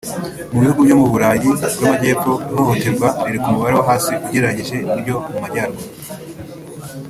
Mu bihugu byo mu Burayi bw’Amajyepfo ihohoterwa riri ku mibare yo hasi ugereranyije n’ibyo mu Majyaruguru